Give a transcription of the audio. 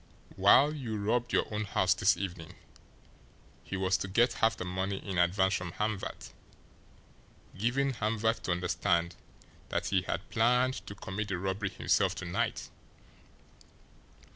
While you robbed your own house this evening, he was to get half the money in advance from Hamvert, giving Hamvert to understand that HE had planned to commit the robbery himself to night.